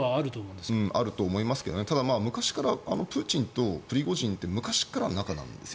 あるとは思いますけどただ、昔からプーチンとプリゴジンって昔からの仲なんです。